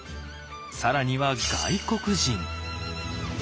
更には外国人。